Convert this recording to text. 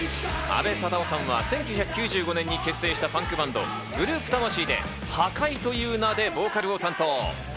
阿部サダヲさんは１９９５年に結成したパンクバンド・グループ魂で破壊という名でボーカルを担当。